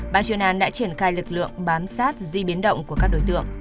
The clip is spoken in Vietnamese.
bàn truyền án đã triển khai lực lượng bám sát di biến động của các đối tượng